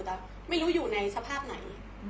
แต่ไม่รู้อยู่ในสภาพไหน